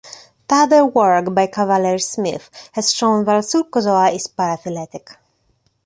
Further work by Cavalier-Smith has shown that Sulcozoa is paraphyletic.